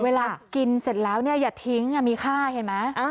เวลากินเสร็จแล้วเนี่ยอย่าทิ้งมีค่าเห็นไหม